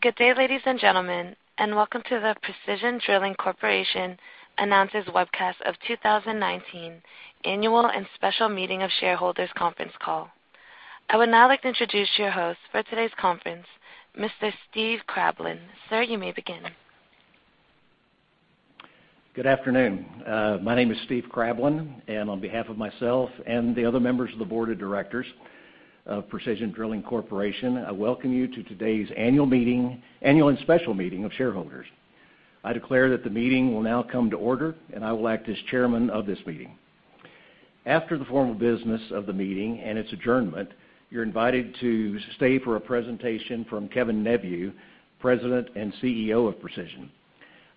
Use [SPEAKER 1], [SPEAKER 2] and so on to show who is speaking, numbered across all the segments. [SPEAKER 1] Good day, ladies and gentlemen, welcome to the Precision Drilling Corporation Announces Webcast of 2019 Annual and Special Meeting of Shareholders Conference Call. I would now like to introduce your host for today's conference, Mr. Steven W. Krablin. Sir, you may begin.
[SPEAKER 2] Good afternoon. My name is Steven W. Krablin, on behalf of myself and the other members of the Board of Directors of Precision Drilling Corporation, I welcome you to today's annual and special meeting of shareholders. I declare that the meeting will now come to order, I will act as Chairman of this meeting. After the formal business of the meeting and its adjournment, you're invited to stay for a presentation from Kevin Neveu, President and CEO of Precision.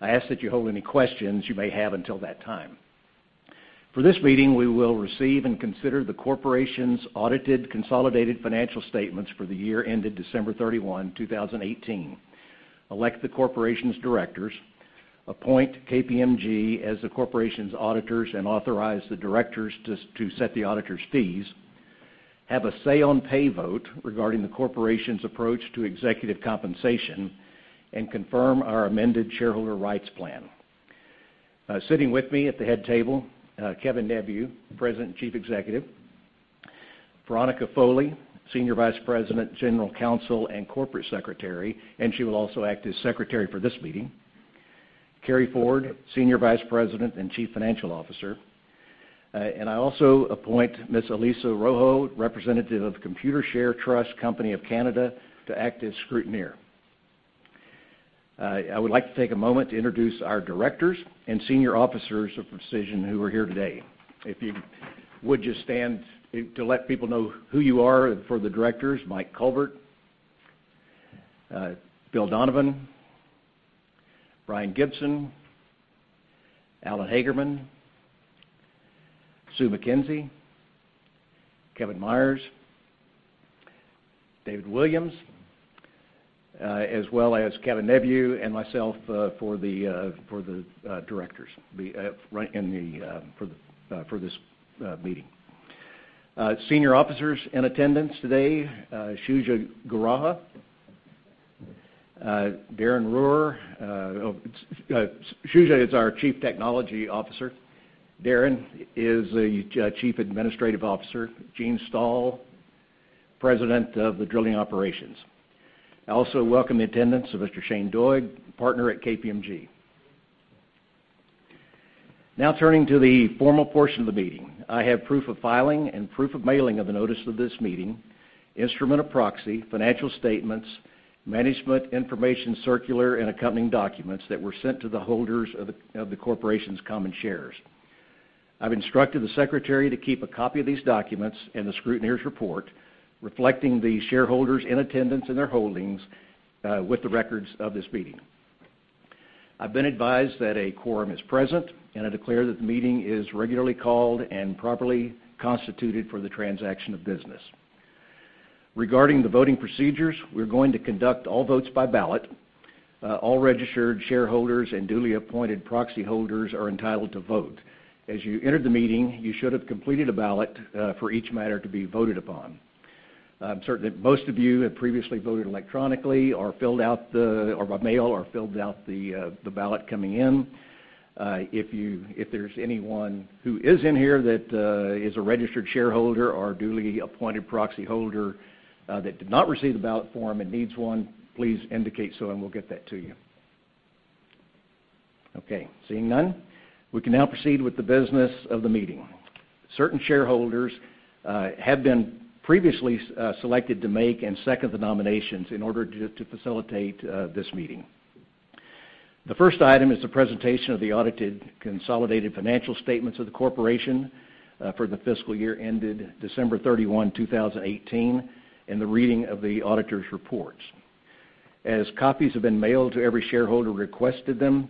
[SPEAKER 2] I ask that you hold any questions you may have until that time. For this meeting, we will receive and consider the corporation's audited consolidated financial statements for the year ended December 31, 2018, elect the corporation's directors, appoint KPMG as the corporation's auditors and authorize the directors to set the auditors' fees, have a say on pay vote regarding the corporation's approach to executive compensation, confirm our amended shareholder rights plan. Sitting with me at the head table, Kevin Neveu, President, Chief Executive; Veronica Foley, Senior Vice President, General Counsel, and Corporate Secretary, she will also act as Secretary for this meeting; Carey Ford, Senior Vice President and Chief Financial Officer. I also appoint Ms. Elissa Rojo, representative of Computershare Trust Company of Canada, to act as scrutineer. I would like to take a moment to introduce our directors and senior officers of Precision who are here today. If you would just stand to let people know who you are for the directors, Mike Culbert, Bill Donovan, Brian Gibson, Allen Hagerman, Sue MacKenzie, Kevin Meyers, David Williams, as well as Kevin Neveu and myself for the directors for this meeting. Senior officers in attendance today, Shuja Goraya, Darren Ruhr. Shuja is our Chief Technology Officer. Darren is a Chief Administrative Officer. Gene Stahl, President of the Drilling Operations. I also welcome the attendance of Mr. Shane Doig, Partner at KPMG. Turning to the formal portion of the meeting. I have proof of filing and proof of mailing of the notice of this meeting, instrument of proxy, financial statements, management information circular, accompanying documents that were sent to the holders of the corporation's common shares. I've instructed the secretary to keep a copy of these documents and the scrutineer's report, reflecting the shareholders in attendance and their holdings with the records of this meeting. I've been advised that a quorum is present, and I declare that the meeting is regularly called and properly constituted for the transaction of business. Regarding the voting procedures, we're going to conduct all votes by ballot. All registered shareholders and duly appointed proxy holders are entitled to vote. As you entered the meeting, you should have completed a ballot for each matter to be voted upon. I'm certain that most of you have previously voted electronically or by mail or filled out the ballot coming in. If there's anyone who is in here that is a registered shareholder or a duly appointed proxy holder that did not receive the ballot form and needs one, please indicate so, and we'll get that to you. Okay. Seeing none, we can now proceed with the business of the meeting. Certain shareholders have been previously selected to make and second the nominations in order to facilitate this meeting. The first item is the presentation of the audited consolidated financial statements of the corporation for the fiscal year ended December 31, 2018, and the reading of the auditors' reports. As copies have been mailed to every shareholder who requested them,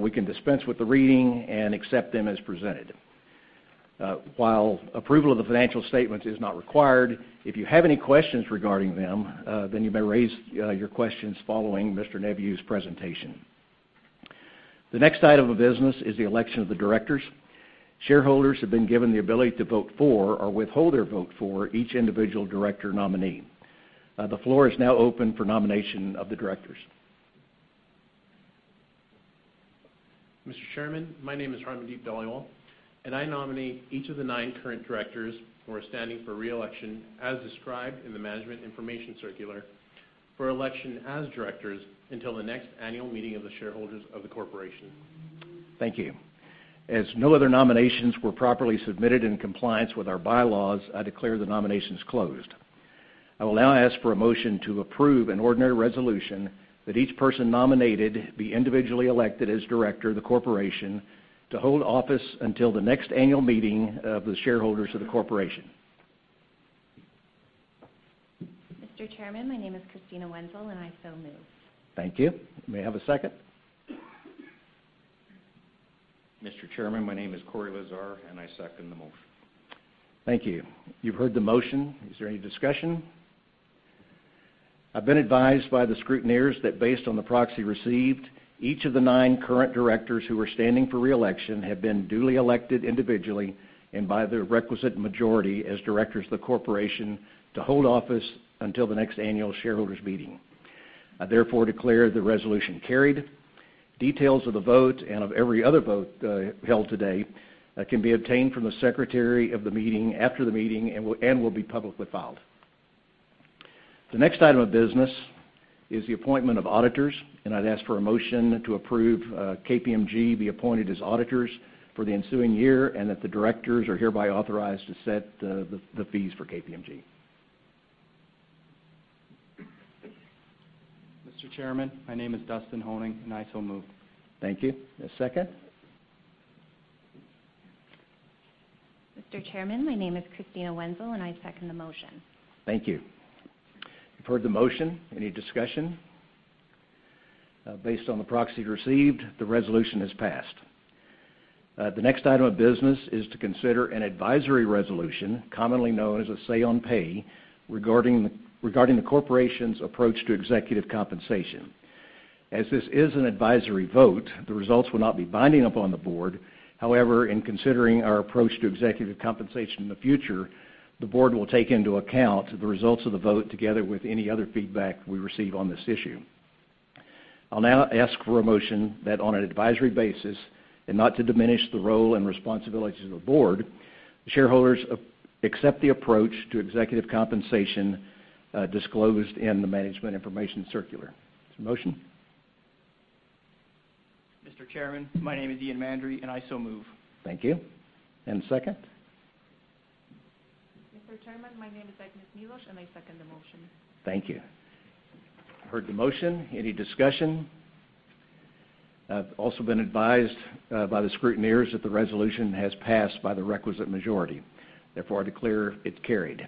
[SPEAKER 2] we can dispense with the reading and accept them as presented. While approval of the financial statement is not required, if you have any questions regarding them, you may raise your questions following Mr. Neveu's presentation. The next item of business is the election of the directors. Shareholders have been given the ability to vote for or withhold their vote for each individual director nominee. The floor is now open for nomination of the directors.
[SPEAKER 3] Mr. Chairman, my name is Harmandeep Dhaliwal, I nominate each of the nine current directors who are standing for re-election as described in the management information circular for election as directors until the next annual meeting of the shareholders of the corporation.
[SPEAKER 2] Thank you. As no other nominations were properly submitted in compliance with our bylaws, I declare the nominations closed. I will now ask for a motion to approve an ordinary resolution that each person nominated be individually elected as director of the corporation to hold office until the next annual meeting of the shareholders of the corporation.
[SPEAKER 4] Mr. Chairman, my name is Christina Wenzel. I so move.
[SPEAKER 2] Thank you. May I have a second?
[SPEAKER 5] Mr. Chairman, my name is Corey Lazar. I second the motion.
[SPEAKER 2] Thank you. You've heard the motion. Is there any discussion? I've been advised by the scrutineers that based on the proxy received, each of the nine current directors who are standing for re-election have been duly elected individually and by the requisite majority as directors of the corporation to hold office until the next annual shareholders meeting. I therefore declare the resolution carried. Details of the vote and of every other vote held today can be obtained from the secretary of the meeting after the meeting and will be publicly filed. The next item of business is the appointment of auditors. I'd ask for a motion to approve KPMG be appointed as auditors for the ensuing year and that the directors are hereby authorized to set the fees for KPMG.
[SPEAKER 6] Mr. Chairman, my name is Dustin Honing. I so move.
[SPEAKER 2] Thank you. A second?
[SPEAKER 4] Mr. Chairman, my name is Christina Wenzel. I second the motion.
[SPEAKER 2] Thank you. You've heard the motion. Any discussion? Based on the proxies received, the resolution is passed. The next item of business is to consider an advisory resolution, commonly known as a say on pay, regarding the Corporation's approach to executive compensation. As this is an advisory vote, the results will not be binding upon the board. However, in considering our approach to executive compensation in the future, the board will take into account the results of the vote together with any other feedback we receive on this issue. I'll now ask for a motion that on an advisory basis, not to diminish the role and responsibilities of the board, the shareholders accept the approach to executive compensation disclosed in the management information circular. Is there a motion?
[SPEAKER 7] Mr. Chairman, my name is Ian Mandry, I so move.
[SPEAKER 2] Thank you. Second?
[SPEAKER 8] Mr. Chairman, my name is Agnes Milosh, I second the motion.
[SPEAKER 2] Thank you. I have heard the motion. Any discussion? I have also been advised by the scrutineers that the resolution has passed by the requisite majority. Therefore, I declare it carried.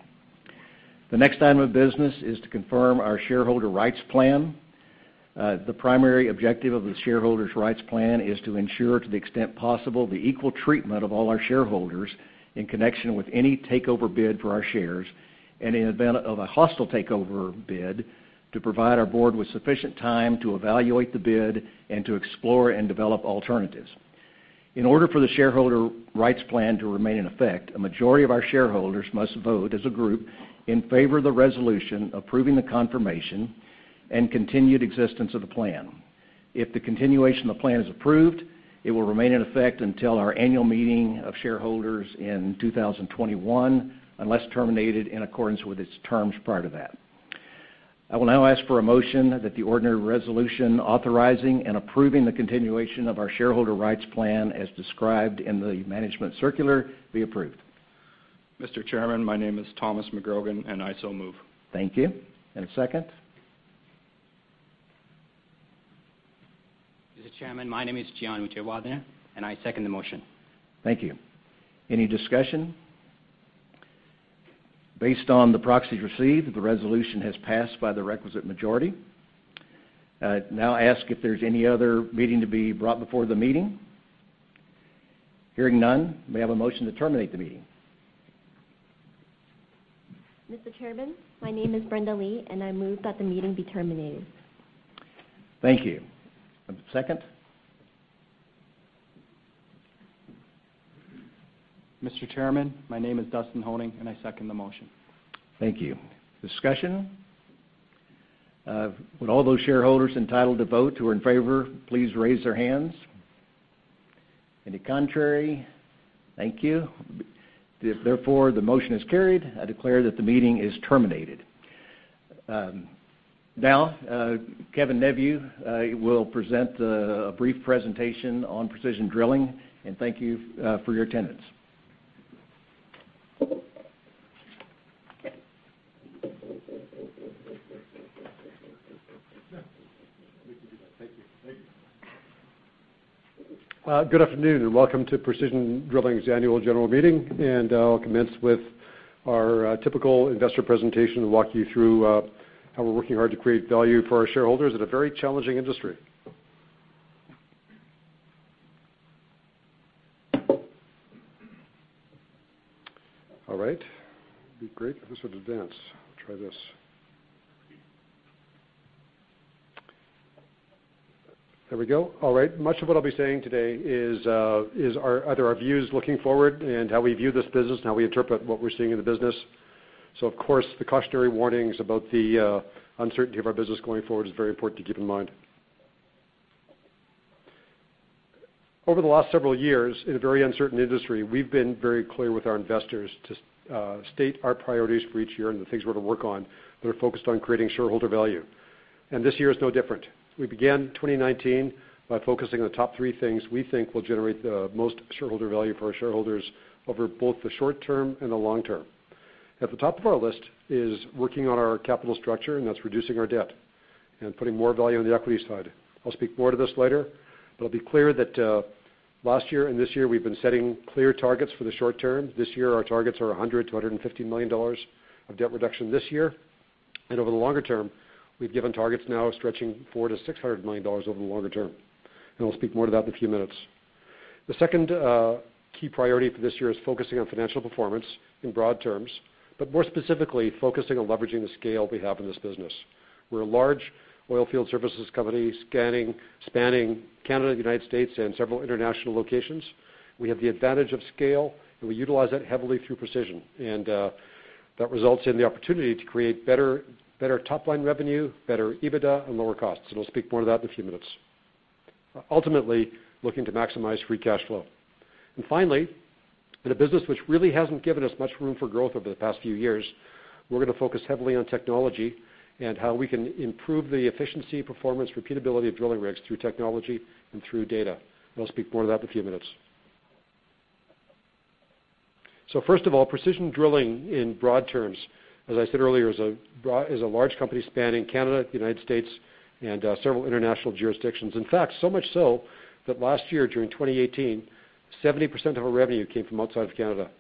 [SPEAKER 2] The next item of business is to confirm our shareholder rights plan. The primary objective of the shareholder rights plan is to ensure, to the extent possible, the equal treatment of all our shareholders in connection with any takeover bid for our shares, and in event of a hostile takeover bid, to provide our board with sufficient time to evaluate the bid and to explore and develop alternatives. In order for the shareholder rights plan to remain in effect, a majority of our shareholders must vote as a group in favor of the resolution approving the confirmation and continued existence of the plan. If the continuation of the plan is approved, it will remain in effect until our annual meeting of shareholders in 2021, unless terminated in accordance with its terms prior to that. I will now ask for a motion that the ordinary resolution authorizing and approving the continuation of our shareholder rights plan as described in the management circular be approved.
[SPEAKER 9] Mr. Chairman, my name is Thomas McGrogan, I so move.
[SPEAKER 2] Thank you. A second?
[SPEAKER 10] Mr. Chairman, my name is Gian Muchuwadana. I second the motion.
[SPEAKER 2] Thank you. Any discussion? Based on the proxies received, the resolution has passed by the requisite majority. I now ask if there's any other business to be brought before the meeting. Hearing none, may I have a motion to terminate the meeting?
[SPEAKER 11] Mr. Chairman, my name is Brenda Lee. I move that the meeting be terminated.
[SPEAKER 2] Thank you. A second?
[SPEAKER 6] Mr. Chairman, my name is Dustin Honing. I second the motion.
[SPEAKER 2] Thank you. Discussion? Would all those shareholders entitled to vote who are in favor please raise their hands. Any contrary? Thank you. Therefore, the motion is carried. I declare that the meeting is terminated. Now, Kevin Neveu will present a brief presentation on Precision Drilling. Thank you for your attendance.
[SPEAKER 12] Thank you. Good afternoon. Welcome to Precision Drilling's annual general meeting. I'll commence with our typical investor presentation to walk you through how we're working hard to create value for our shareholders in a very challenging industry. All right. It'd be great if this would advance. I'll try this. There we go. All right. Much of what I'll be saying today is either our views looking forward and how we view this business and how we interpret what we're seeing in the business. Of course, the cautionary warnings about the uncertainty of our business going forward is very important to keep in mind. Over the last several years, in a very uncertain industry, we've been very clear with our investors to state our priorities for each year and the things we're going to work on that are focused on creating shareholder value. This year is no different. We began 2019 by focusing on the top three things we think will generate the most shareholder value for our shareholders over both the short term and the long term. At the top of our list is working on our capital structure, and that's reducing our debt and putting more value on the equity side. I'll speak more to this later. It'll be clear that last year and this year, we've been setting clear targets for the short term. This year, our targets are 100 million-150 million dollars of debt reduction this year. Over the longer term, we've given targets now stretching 400 million-600 million dollars over the longer term. I'll speak more to that in a few minutes. The second key priority for this year is focusing on financial performance in broad terms, but more specifically, focusing on leveraging the scale we have in this business. We're a large oilfield services company spanning Canada, the U.S., and several international locations. We have the advantage of scale, and we utilize that heavily through Precision, and that results in the opportunity to create better top-line revenue, better EBITDA, and lower costs, and I'll speak more to that in a few minutes. Ultimately, looking to maximize free cash flow. Finally, in a business which really hasn't given us much room for growth over the past few years, we're going to focus heavily on technology and how we can improve the efficiency, performance, repeatability of drilling rigs through technology and through data. I'll speak more to that in a few minutes. First of all, Precision Drilling in broad terms, as I said earlier, is a large company spanning Canada, the U.S., and several international jurisdictions. In fact, so much so that last year, during 2018, 70% of our revenue came from outside of Canada.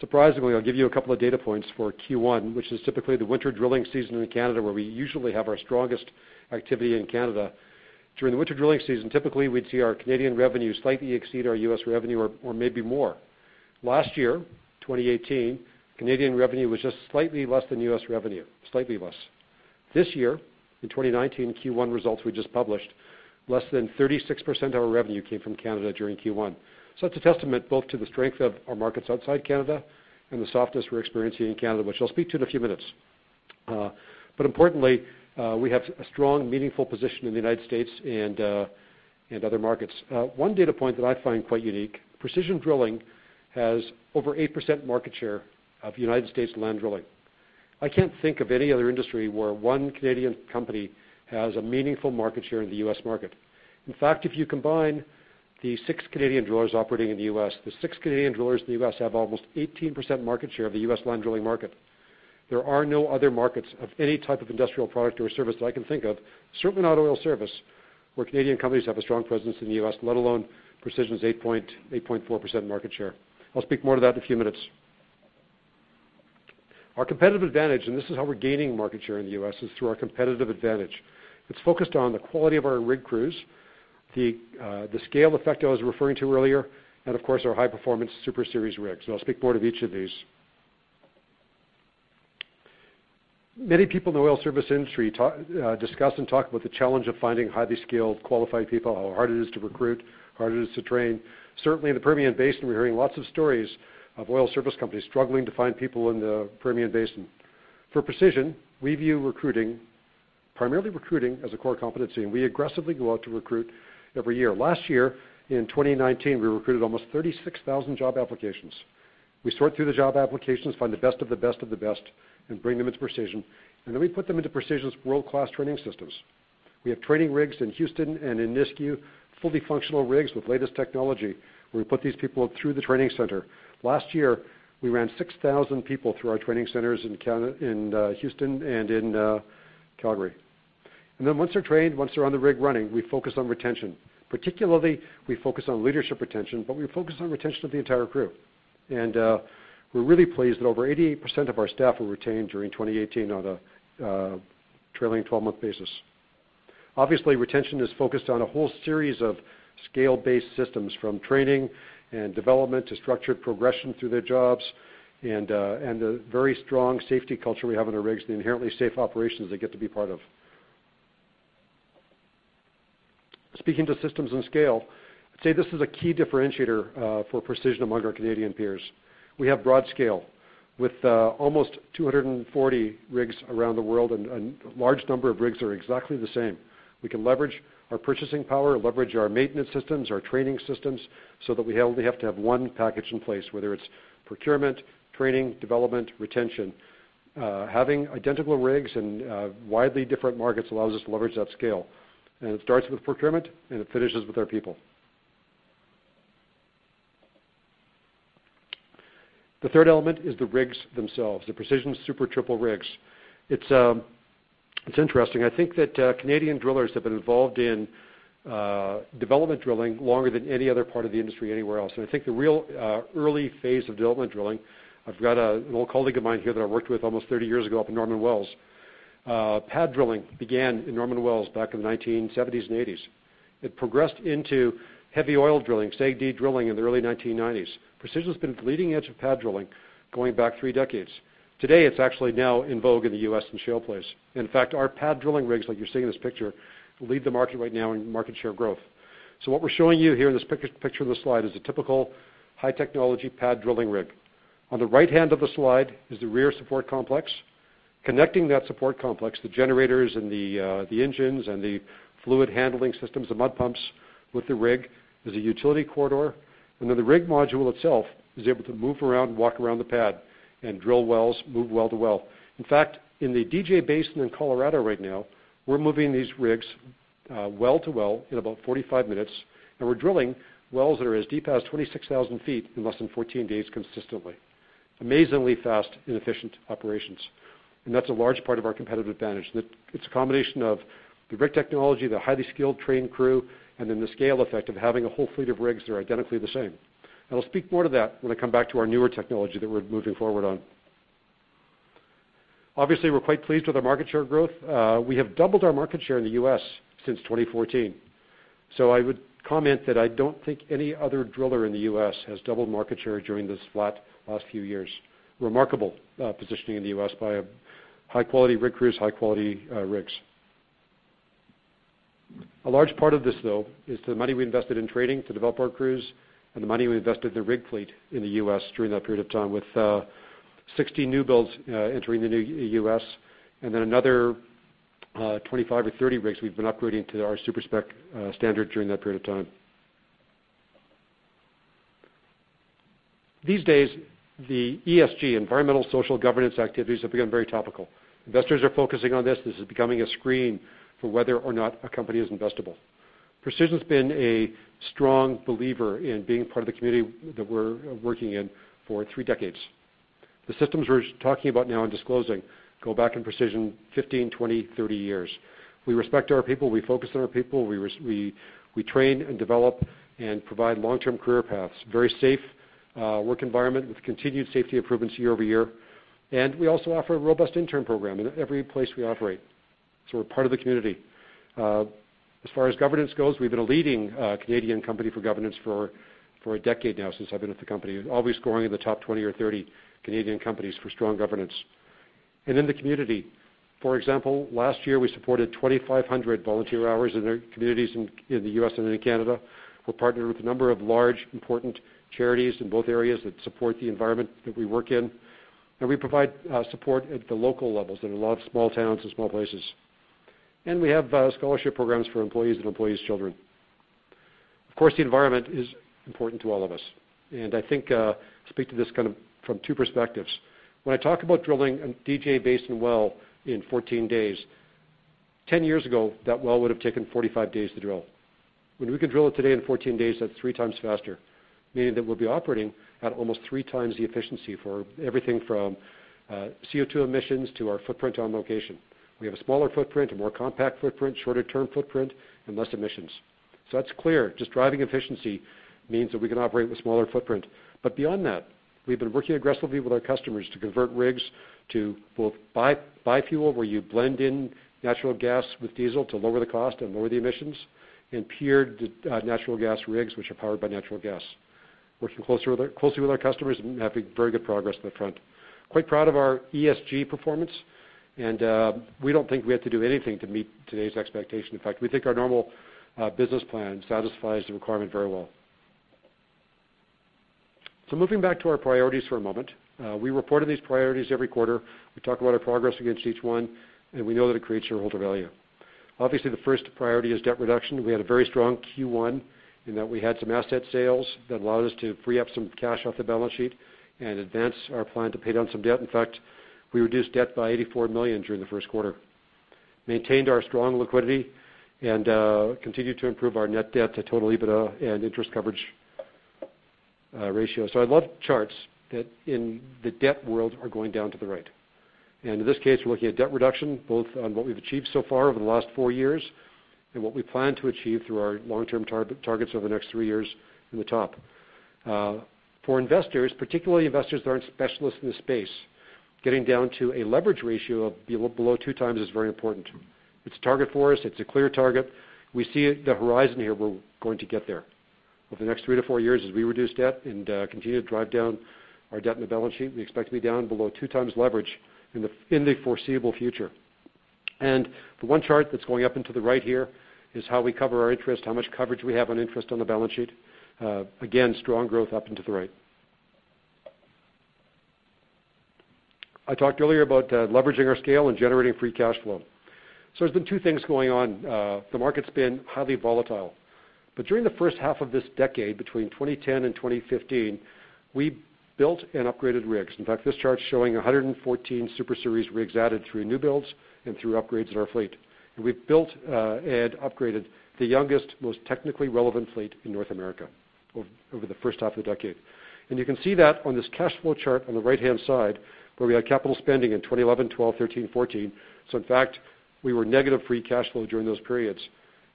[SPEAKER 12] Surprisingly, I'll give you a couple of data points for Q1, which is typically the winter drilling season in Canada, where we usually have our strongest activity in Canada. During the winter drilling season, typically, we'd see our Canadian revenue slightly exceed our U.S. revenue or maybe more. Last year, 2018, Canadian revenue was just slightly less than U.S. revenue. Slightly less. This year, in 2019 Q1 results we just published, less than 36% of our revenue came from Canada during Q1. That's a testament both to the strength of our markets outside Canada and the softness we're experiencing in Canada, which I'll speak to in a few minutes. Importantly, we have a strong, meaningful position in the U.S. and other markets. One data point that I find quite unique, Precision Drilling has over 8% market share of U.S. land drilling. I can't think of any other industry where one Canadian company has a meaningful market share in the U.S. market. In fact, if you combine the six Canadian drillers operating in the U.S., the six Canadian drillers in the U.S. have almost 18% market share of the U.S. land drilling market. There are no other markets of any type of industrial product or service that I can think of, certainly not oilfield service, where Canadian companies have a strong presence in the U.S., let alone Precision's 8.4% market share. I'll speak more to that in a few minutes. Our competitive advantage, and this is how we're gaining market share in the U.S., is through our competitive advantage. It's focused on the quality of our rig crews, the scale effect I was referring to earlier, and of course, our high-performance Super Series rigs, and I'll speak more to each of these. Many people in the oilfield service industry discuss and talk about the challenge of finding highly skilled, qualified people, how hard it is to recruit, how hard it is to train. Certainly, in the Permian Basin, we're hearing lots of stories of oil service companies struggling to find people in the Permian Basin. For Precision, we view recruiting, primarily recruiting, as a core competency. We aggressively go out to recruit every year. Last year, in 2019, we recruited almost 36,000 job applications. We sort through the job applications, find the best of the best of the best, and bring them into Precision. Then we put them into Precision's world-class training systems. We have training rigs in Houston and in Nisku, fully functional rigs with the latest technology, where we put these people through the training center. Last year, we ran 6,000 people through our training centers in Houston and in Calgary. Then once they're trained, once they're on the rig running, we focus on retention. Particularly, we focus on leadership retention, but we focus on retention of the entire crew. We're really pleased that over 88% of our staff were retained during 2018 on a trailing 12-month basis. Obviously, retention is focused on a whole series of scale-based systems, from training and development to structured progression through their jobs and the very strong safety culture we have on our rigs, the inherently safe operations they get to be part of. Speaking to systems and scale, I'd say this is a key differentiator for Precision among our Canadian peers. We have broad scale with almost 240 rigs around the world, and a large number of rigs are exactly the same. We can leverage our purchasing power, leverage our maintenance systems, our training systems, so that we only have to have one package in place, whether it's procurement, training, development, retention. Having identical rigs in widely different markets allows us to leverage that scale. It starts with procurement, and it finishes with our people. The third element is the rigs themselves, the Precision Super Triple rigs. It's interesting. I think that Canadian drillers have been involved in development drilling longer than any other part of the industry anywhere else. I think the real early phase of development drilling, I've got an old colleague of mine here that I worked with almost 30 years ago up in Norman Wells. Pad drilling began in Norman Wells back in the 1970s and 1980s. It progressed into heavy oil drilling, SAGD drilling in the early 1990s. Precision's been at the leading edge of pad drilling going back three decades. Today, it's actually now in vogue in the U.S. in shale plays. In fact, our pad drilling rigs, like you see in this picture, lead the market right now in market share growth. What we're showing you here in this picture of the slide is a typical high-technology pad drilling rig. On the right-hand of the slide is the rear support complex. Connecting that support complex, the generators and the engines and the fluid handling systems, the mud pumps with the rig, is a utility corridor. Then the rig module itself is able to move around, walk around the pad and drill wells, move well to well. In fact, in the DJ Basin in Colorado right now, we're moving these rigs well to well in about 45 minutes, and we're drilling wells that are as deep as 26,000 feet in less than 14 days consistently. Amazingly fast and efficient operations. That's a large part of our competitive advantage. It's a combination of the rig technology, the highly skilled trained crew, and then the scale effect of having a whole fleet of rigs that are identically the same. I'll speak more to that when I come back to our newer technology that we're moving forward on. Obviously, we're quite pleased with our market share growth. We have doubled our market share in the U.S. since 2014. I would comment that I don't think any other driller in the U.S. has doubled market share during this flat last few years. Remarkable positioning in the U.S. by high-quality rig crews, high-quality rigs. A large part of this, though, is the money we invested in training to develop our crews and the money we invested in the rig fleet in the U.S. during that period of time with 60 new builds entering the new U.S., and then another 25 or 30 rigs we've been upgrading to our Super-Spec standard during that period of time. These days, the ESG, environmental social governance activities, have become very topical. Investors are focusing on this. This is becoming a screen for whether or not a company is investable. Precision's been a strong believer in being part of the community that we're working in for 3 decades. The systems we're talking about now and disclosing go back in Precision 15, 20, 30 years. We respect our people. We focus on our people. We train and develop and provide long-term career paths, very safe work environment with continued safety improvements year-over-year. We also offer a robust intern program in every place we operate. We're part of the community. As far as governance goes, we've been a leading Canadian company for governance for a decade now, since I've been with the company, always scoring in the top 20 or 30 Canadian companies for strong governance. In the community, for example, last year, we supported 2,500 volunteer hours in their communities in the U.S. and in Canada. We're partnered with a number of large, important charities in both areas that support the environment that we work in. We provide support at the local levels in a lot of small towns and small places. We have scholarship programs for employees and employees' children. Of course, the environment is important to all of us, I think, speak to this kind of from two perspectives. When I talk about drilling a DJ Basin well in 14 days, 10 years ago, that well would've taken 45 days to drill. When we can drill it today in 14 days, that's three times faster, meaning that we'll be operating at almost three times the efficiency for everything from CO2 emissions to our footprint on location. We have a smaller footprint, a more compact footprint, shorter-term footprint, and less emissions. That's clear. Just driving efficiency means that we can operate with smaller footprint. Beyond that, we've been working aggressively with our customers to convert rigs to both bi-fuel, where you blend in natural gas with diesel to lower the cost and lower the emissions, and pure natural gas rigs, which are powered by natural gas. Working closely with our customers, having very good progress on that front. Quite proud of our ESG performance. We don't think we have to do anything to meet today's expectation. In fact, we think our normal business plan satisfies the requirement very well. Moving back to our priorities for a moment. We report on these priorities every quarter. We talk about our progress against each one. We know that it creates shareholder value. Obviously, the first priority is debt reduction. We had a very strong Q1 in that we had some asset sales that allowed us to free up some cash off the balance sheet and advance our plan to pay down some debt. In fact, we reduced debt by 84 million during the first quarter, maintained our strong liquidity, and continued to improve our net debt to total EBITDA and interest coverage ratio. I love charts that in the debt world are going down to the right. In this case, we're looking at debt reduction, both on what we've achieved so far over the last four years and what we plan to achieve through our long-term targets over the next three years in the top. For investors, particularly investors that aren't specialists in this space, getting down to a leverage ratio of below two times is very important. It's a target for us. It's a clear target. We see the horizon here. We're going to get there. Over the next three to four years as we reduce debt and continue to drive down our debt on the balance sheet, we expect to be down below two times leverage in the foreseeable future. The one chart that's going up and to the right here is how we cover our interest, how much coverage we have on interest on the balance sheet. Again, strong growth up and to the right. I talked earlier about leveraging our scale and generating free cash flow. There's been two things going on. The market's been highly volatile, but during the first half of this decade, between 2010 and 2015, we built and upgraded rigs. In fact, this chart's showing 114 Super Series rigs added through new builds and through upgrades in our fleet. We've built and upgraded the youngest, most technically relevant fleet in North America over the first half of the decade. You can see that on this cash flow chart on the right-hand side, where we had capital spending in 2011, 2012, 2013, 2014. In fact, we were negative free cash flow during those periods.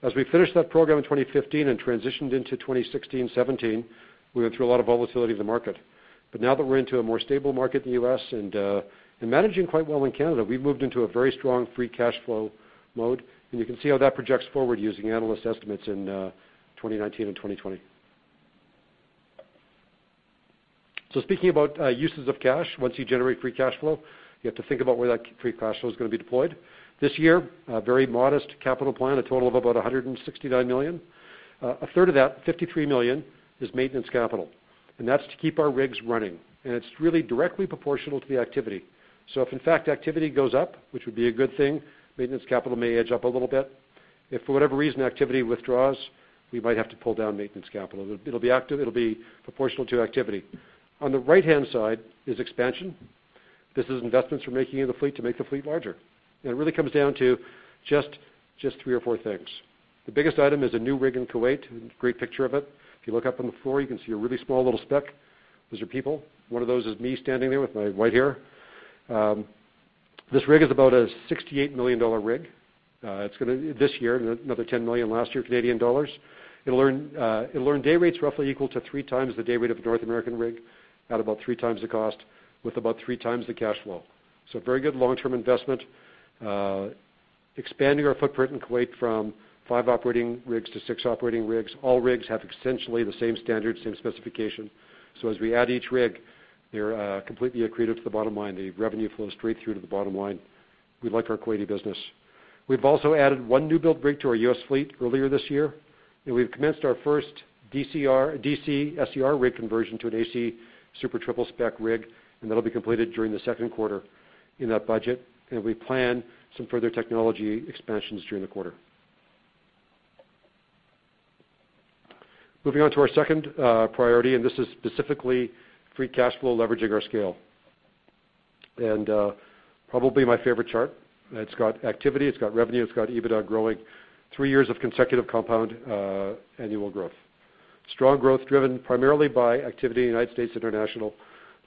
[SPEAKER 12] As we finished that program in 2015 and transitioned into 2016, 2017, we went through a lot of volatility in the market. Now that we're into a more stable market in the U.S. and managing quite well in Canada, we've moved into a very strong free cash flow mode. You can see how that projects forward using analyst estimates in 2019 and 2020. Speaking about uses of cash, once you generate free cash flow, you have to think about where that free cash flow is gonna be deployed. This year, a very modest capital plan, a total of about 169 million. A third of that, 53 million, is maintenance capital, and that's to keep our rigs running. It's really directly proportional to the activity. If in fact activity goes up, which would be a good thing, maintenance capital may edge up a little bit. If for whatever reason activity withdraws, we might have to pull down maintenance capital. It'll be proportional to activity. On the right-hand side is expansion. This is investments we're making in the fleet to make the fleet larger. It really comes down to just three or four things. The biggest item is a new rig in Kuwait, and a great picture of it. If you look up on the floor, you can see a really small little speck. Those are people. One of those is me standing there with my white hair. This rig is about a 68 million dollar rig. This year, another 10 million last year. It'll earn day rates roughly equal to three times the day rate of a North American rig at about three times the cost with about three times the cash flow. Very good long-term investment. Expanding our footprint in Kuwait from five operating rigs to six operating rigs. All rigs have essentially the same standard, same specification. As we add each rig, they're completely accretive to the bottom line. The revenue flows straight through to the bottom line. We like our Kuwaiti business. We've also added one new build rig to our U.S. fleet earlier this year, and we've commenced our first DC SCR rig conversion to an AC Super Triple spec rig, and that'll be completed during the second quarter in that budget. We plan some further technology expansions during the quarter. Moving on to our second priority, this is specifically free cash flow leveraging our scale. Probably my favorite chart. It's got activity, it's got revenue, it's got EBITDA growing three years of consecutive compound annual growth. Strong growth driven primarily by activity in the United States international,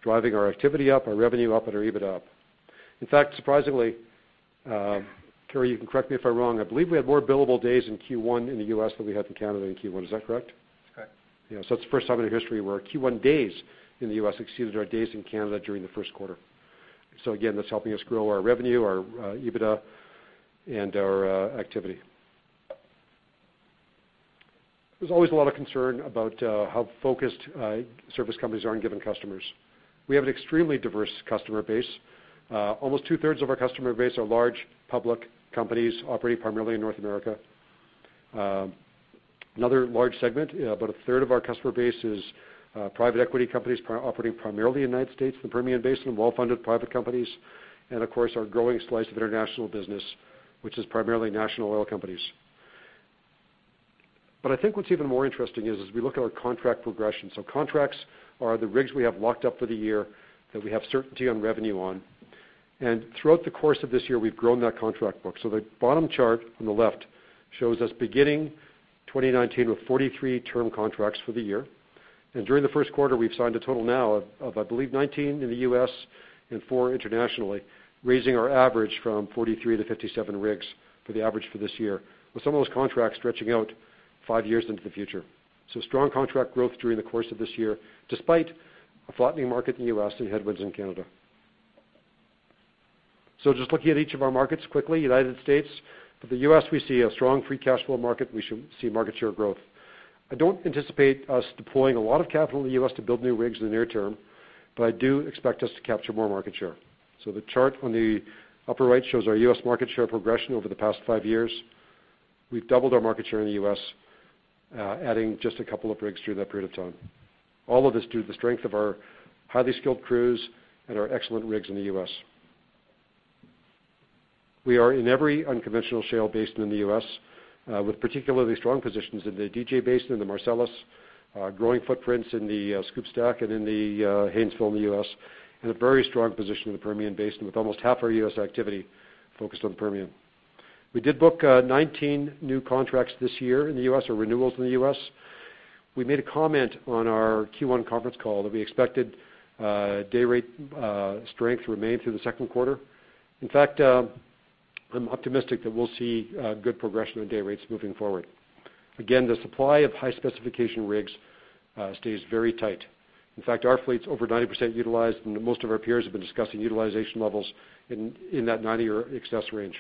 [SPEAKER 12] driving our activity up, our revenue up, and our EBITDA up. In fact, surprisingly, Carey, you can correct me if I'm wrong. I believe we had more billable days in Q1 in the U.S. than we had in Canada in Q1. Is that correct?
[SPEAKER 13] That's correct.
[SPEAKER 12] It's the first time in our history where our Q1 days in the U.S. exceeded our days in Canada during the first quarter. Again, that's helping us grow our revenue, our EBITDA, and our activity. There's always a lot of concern about how focused service companies are on given customers. We have an extremely diverse customer base. Almost two-thirds of our customer base are large public companies operating primarily in North America. Another large segment, about a third of our customer base is private equity companies operating primarily in the United States, the Permian Basin, well-funded private companies, and of course, our growing slice of international business, which is primarily national oil companies. I think what's even more interesting is we look at our contract progression. Contracts are the rigs we have locked up for the year that we have certainty on revenue on. Throughout the course of this year, we've grown that contract book. The bottom chart on the left shows us beginning 2019 with 43 term contracts for the year. During the first quarter, we've signed a total now of, I believe, 19 in the U.S. and four internationally, raising our average from 43 to 57 rigs for the average for this year, with some of those contracts stretching out five years into the future. Strong contract growth during the course of this year, despite a flattening market in the U.S. and headwinds in Canada. Just looking at each of our markets quickly, United States. For the U.S., we see a strong free cash flow market. We should see market share growth. I don't anticipate us deploying a lot of capital in the U.S. to build new rigs in the near term, I do expect us to capture more market share. The chart on the upper right shows our U.S. market share progression over the past five years. We've doubled our market share in the U.S., adding just a couple of rigs during that period of time. All of this due to the strength of our highly skilled crews and our excellent rigs in the U.S. We are in every unconventional shale basin in the U.S., with particularly strong positions in the DJ Basin, in the Marcellus, growing footprints in the SCOOP/STACK and in the Haynesville in the U.S., and a very strong position in the Permian Basin, with almost half our U.S. activity focused on Permian. We did book 19 new contracts this year in the U.S., or renewals in the U.S. We made a comment on our Q1 conference call that we expected day rate strength to remain through the second quarter. In fact, I'm optimistic that we'll see good progression on day rates moving forward. Again, the supply of high-specification rigs stays very tight. In fact, our fleet's over 90% utilized, and most of our peers have been discussing utilization levels in that 90 or excess range.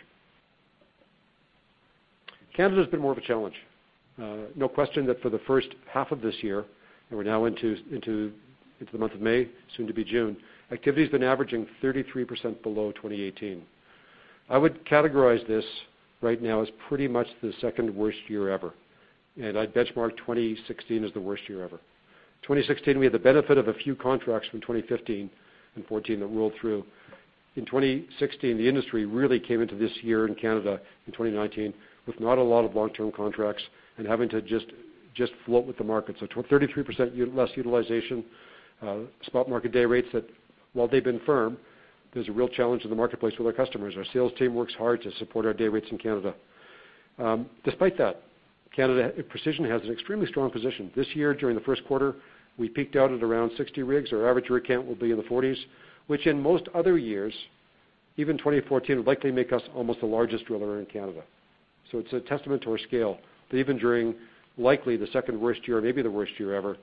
[SPEAKER 12] Canada's been more of a challenge. No question that for the first half of this year, and we're now into the month of May, soon to be June, activity's been averaging 33% below 2018. I would categorize this right now as pretty much the second-worst year ever, and I'd benchmark 2016 as the worst year ever. 2016, we had the benefit of a few contracts from 2015 and 2014 that rolled through. In 2016, the industry really came into this year in Canada in 2019 with not a lot of long-term contracts and having to just float with the market. 33% less utilization, spot market day rates that while they've been firm, there's a real challenge in the marketplace with our customers. Our sales team works hard to support our day rates in Canada. Despite that, Canada, Precision has an extremely strong position. This year, during the first quarter, we peaked out at around 60 rigs. Our average rig count will be in the 40s, which in most other years, even 2014, would likely make us almost the largest driller in Canada. It's a testament to our scale that even during likely the second-worst year, maybe the worst year ever,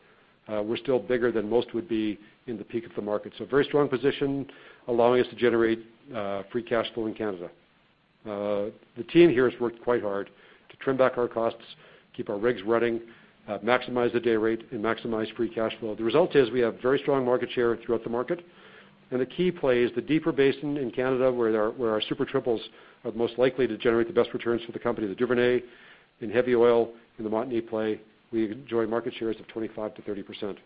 [SPEAKER 12] we're still bigger than most would be in the peak of the market. A very strong position allowing us to generate free cash flow in Canada. The team here has worked quite hard to trim back our costs, keep our rigs running, maximize the day rate, and maximize free cash flow. The result is we have very strong market share throughout the market, and the key play is the deeper basin in Canada where our Super Triples are most likely to generate the best returns for the company. The Duvernay in heavy oil in the Montney play, we enjoy market shares of 25%-30%.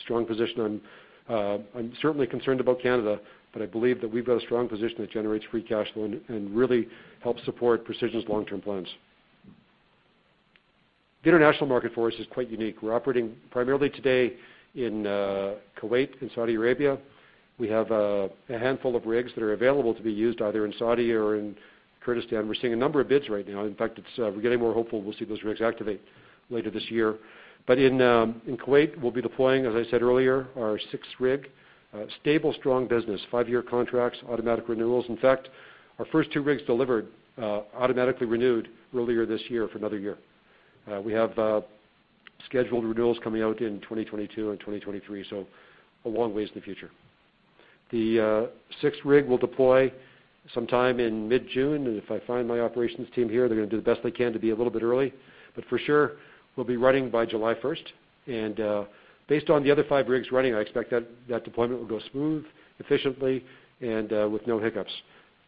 [SPEAKER 12] Strong position. I'm certainly concerned about Canada, I believe that we've got a strong position that generates free cash flow and really helps support Precision's long-term plans. The international market for us is quite unique. We're operating primarily today in Kuwait and Saudi Arabia. We have a handful of rigs that are available to be used either in Saudi or in Kurdistan. We're seeing a number of bids right now. In fact, we're getting more hopeful we'll see those rigs activate later this year. In Kuwait, we'll be deploying, as I said earlier, our sixth rig. Stable, strong business, five-year contracts, automatic renewals. In fact, our first two rigs delivered automatically renewed earlier this year for another year. We have scheduled renewals coming out in 2022 and 2023, so a long ways in the future. The sixth rig will deploy sometime in mid-June, if I find my operations team here, they're gonna do the best they can to be a little bit early. For sure, we'll be running by July 1st. Based on the other five rigs running, I expect that deployment will go smooth, efficiently, and with no hiccups.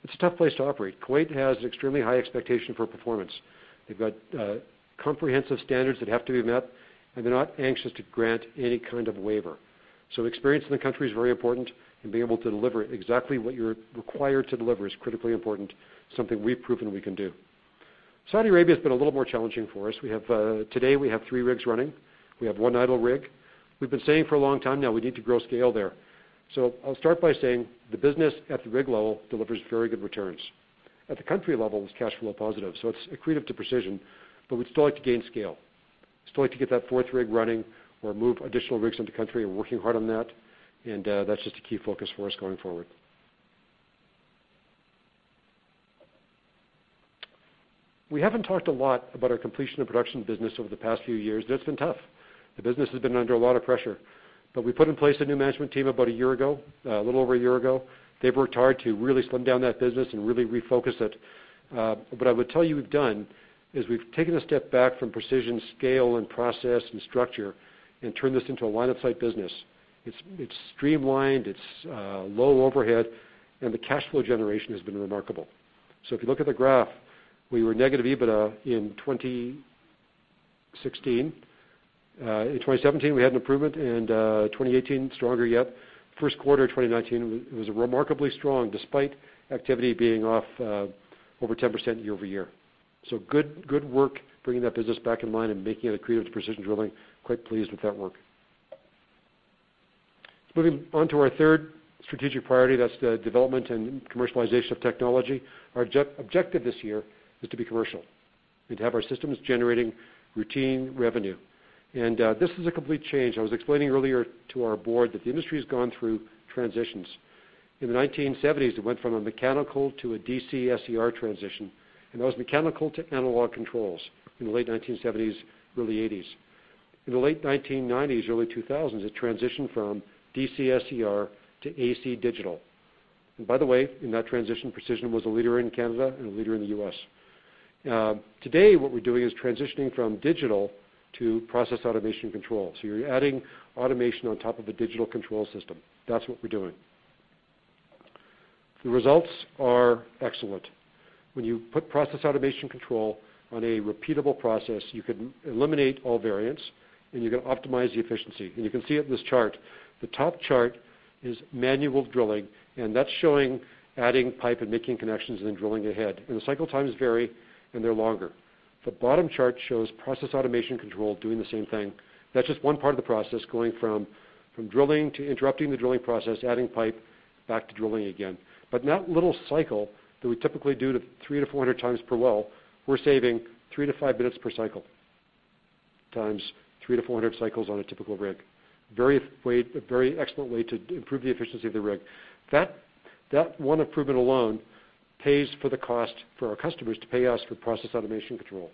[SPEAKER 12] It's a tough place to operate. Kuwait has extremely high expectation for performance. They've got comprehensive standards that have to be met, and they're not anxious to grant any kind of waiver. Experience in the country is very important, and being able to deliver exactly what you're required to deliver is critically important, something we've proven we can do. Saudi Arabia has been a little more challenging for us. Today, we have three rigs running. We have one idle rig. We've been saying for a long time now we need to grow scale there. I'll start by saying the business at the rig level delivers very good returns. At the country level, it's cash flow positive, it's accretive to Precision, we'd still like to gain scale. Still like to get that fourth rig running or move additional rigs into the country. We're working hard on that's just a key focus for us going forward. We haven't talked a lot about our completion and production business over the past few years, it's been tough. The business has been under a lot of pressure. We put in place a new management team about a year ago, a little over a year ago. They've worked hard to really slim down that business and really refocus it. I would tell you what we've done is we've taken a step back from Precision's scale and process and structure and turned this into a line-of-sight business. It's streamlined, it's low overhead, the cash flow generation has been remarkable. If you look at the graph, we were negative EBITDA in 2016. In 2017, we had an improvement, 2018, stronger yet. First quarter 2019 was remarkably strong, despite activity being off over 10% year-over-year. Good work bringing that business back in line and making it accretive to Precision Drilling. Quite pleased with that work. Moving on to our third strategic priority, that's the development and commercialization of technology. Our objective this year is to be commercial and to have our systems generating routine revenue. This is a complete change. I was explaining earlier to our board that the industry has gone through transitions. In the 1970s, it went from a mechanical to a DC SCR transition, that was mechanical to analog controls in the late 1970s, early '80s. In the late 1990s, early 2000s, it transitioned from DC SCR to AC digital. By the way, in that transition, Precision was a leader in Canada and a leader in the U.S. Today, what we're doing is transitioning from digital to process automation control. You're adding automation on top of a digital control system. That's what we're doing. The results are excellent. When you put process automation control on a repeatable process, you can eliminate all variance, you can optimize the efficiency. You can see it in this chart. The top chart is manual drilling, that's showing adding pipe and making connections then drilling ahead. The cycle times vary, they're longer. The bottom chart shows process automation control doing the same thing. That's just one part of the process going from drilling to interrupting the drilling process, adding pipe, back to drilling again. In that little cycle that we typically do 300 to 400 times per well, we're saving three to five minutes per cycle, times 300 to 400 cycles on a typical rig. Very excellent way to improve the efficiency of the rig. That one improvement alone pays for the cost for our customers to pay us for process automation control.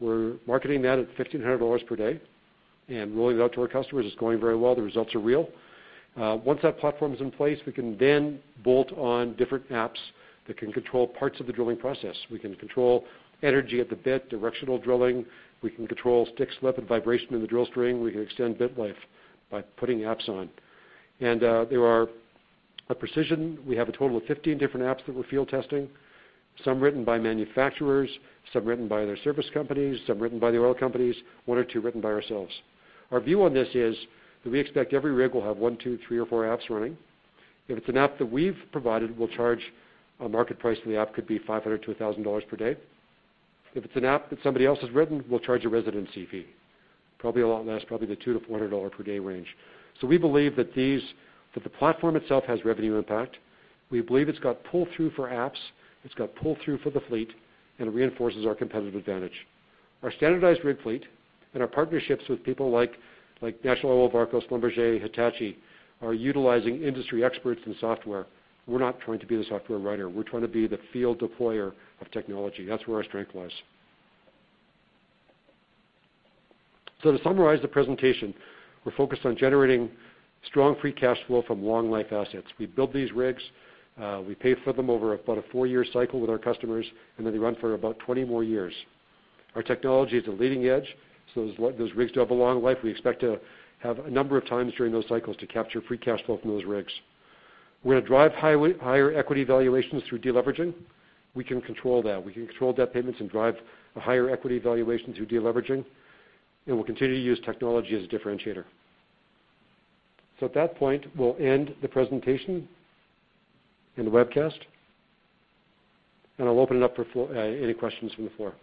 [SPEAKER 12] We're marketing that at 1,500 dollars per day and rolling it out to our customers. It's going very well. The results are real. Once that platform is in place, we can bolt on different apps that can control parts of the drilling process. We can control energy at the bit, directional drilling. We can control stick-slip and vibration in the drill string. We can extend bit life by putting apps on. At Precision, we have a total of 15 different apps that we're field testing, some written by manufacturers, some written by other service companies, some written by the oil companies, one or two written by ourselves. Our view on this is that we expect every rig will have one, two, three or four apps running. If it's an app that we've provided, we'll charge a market price for the app, could be 500 to 1,000 dollars per day. If it's an app that somebody else has written, we'll charge a residency fee. Probably a lot less, probably the 200 to 400 dollar per day range. We believe that the platform itself has revenue impact. We believe it's got pull-through for apps, it's got pull-through for the fleet, and it reinforces our competitive advantage. Our standardized rig fleet and our partnerships with people like National Oilwell Varco, Schlumberger, Hitachi, are utilizing industry experts in software. We're not trying to be the software writer. We're trying to be the field deployer of technology. That's where our strength lies. To summarize the presentation, we're focused on generating strong free cash flow from long life assets. We build these rigs, we pay for them over about a four-year cycle with our customers, and then they run for about 20 more years. Our technology is at leading edge, so those rigs do have a long life. We expect to have a number of times during those cycles to capture free cash flow from those rigs. We're gonna drive higher equity valuations through de-leveraging. We can control that. We can control debt payments and drive a higher equity valuation through de-leveraging. We'll continue to use technology as a differentiator. At that point, we'll end the presentation and the webcast, and I'll open it up for any questions from the floor.